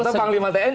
atau panglima tni